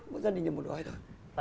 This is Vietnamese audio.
mỗi gia đình được một gói thôi